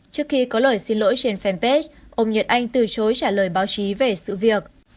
trước khi có lời xin lỗi trên fanpage ông nhật anh từ chối trả lời báo chí về sự việc